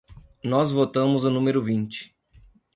Nós votamos o número vinte.